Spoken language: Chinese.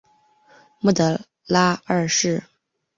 穆拉德二世。